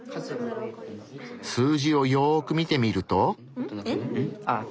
数字をよく見てみると。え？あっ！